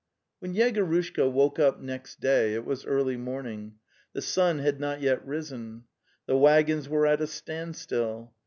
When Yegorushka woke up next day it was early morning; the sun had not yet risen. The waggons were at a standstill.